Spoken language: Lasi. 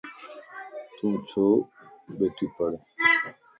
تون ڇو ٻيڻھي پڙھي